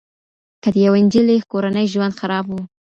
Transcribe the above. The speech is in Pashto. که د يوې نجلۍ کورنی ژوند خراب وو